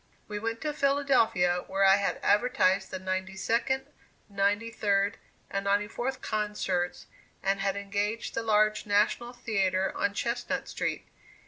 We went to Philadelphia, where I had advertised the ninety second, ninety third, and ninety fourth concerts, and had engaged the large National Theatre on Chestnut Street.